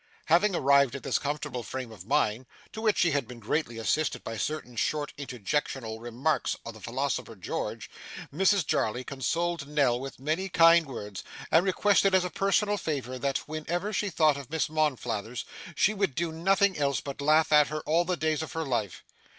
Having arrived at this comfortable frame of mind (to which she had been greatly assisted by certain short interjectional remarks of the philosophical George), Mrs Jarley consoled Nell with many kind words, and requested as a personal favour that whenever she thought of Miss Monflathers, she would do nothing else but laugh at her, all the days of her life.